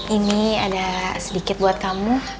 ini ada sedikit buat kamu